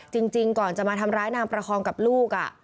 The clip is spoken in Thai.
จริงก่อนจะมาทำร้ายนางประคองกับลูก